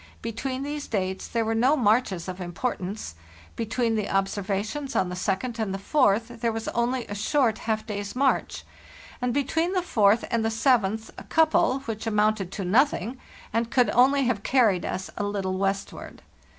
Between these dates there were no marches of importance; between the observations on the 2d and the 4th there was only a short half day's march; and between the 4th and the 7th a couple, which amounted to nothing, and could only have carried us a little westward.